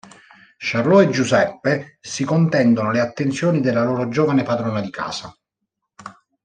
Charlot e Giuseppe si contendono le attenzioni della loro giovane padrona di casa.